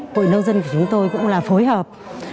hội nông dân của chúng tôi cũng là phối hợp